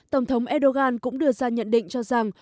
tổng thống erdogan cũng đưa ra nhận định cho rằng